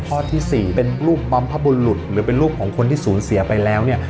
ข้อที่๔เป็นรูปบรรพบุรุษหรือเป็นรูปของคนที่สูญเสียไปแล้วเนี่ย